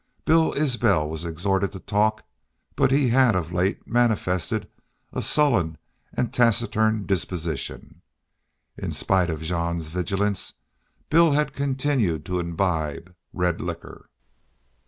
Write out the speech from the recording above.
Bill Isbel was exhorted to talk, but he had of late manifested a sullen and taciturn disposition. In spite of Jean's vigilance Bill had continued to imbibe red liquor.